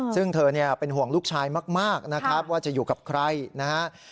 ซึ่งเธอเป็นห่วงลูกชายมากนะครับว่าจะอยู่กับใครนะครับ